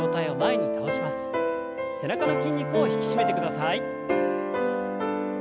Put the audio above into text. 背中の筋肉を引き締めてください。